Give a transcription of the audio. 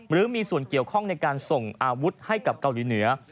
หรือมีส่วนเกี่ยวข้องในการส่งอาวุธให้กับเกาหลีเหนือ